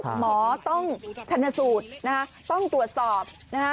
หมอต้องฉะนะสูดต้องตรวจสอบ